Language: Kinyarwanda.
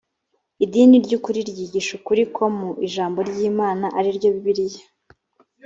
idini ry ukuri ryigisha ukuri ko mu ijambo ry imana ari ryo bibiliya